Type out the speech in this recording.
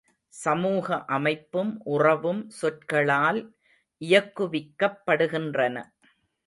சமூக அமைப்பும் உறவும் சொற்களால் இயக்குவிக்கப்படுகின்றன.